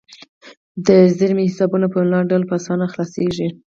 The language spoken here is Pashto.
د زیرمې حسابونه په انلاین ډول په اسانۍ خلاصیږي.